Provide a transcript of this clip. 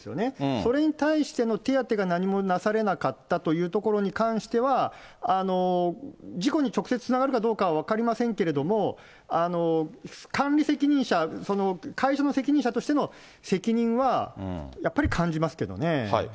それに対しての手当てが何もなされなかったということに関しては、事故に直接つながるかどうかは分かりませんけれども、管理責任者、会社の責任者としての責任は、やっぱり感じますけどね。